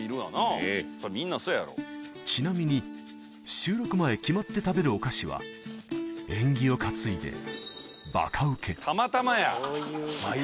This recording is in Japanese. ちなみに収録前決まって食べるお菓子は縁起を担いでたまたまや！